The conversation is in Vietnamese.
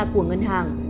của ngân hàng